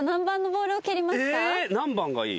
何番がいい？